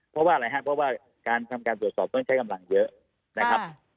เพราะว่าอะไรครับเพราะว่าการทำการตรวจสอบต้องใช้กำลังเยอะนะครับ